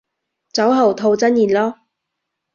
酒後吐真言囉